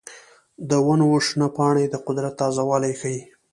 د ونو شنه پاڼې د قدرت تازه والی ښيي.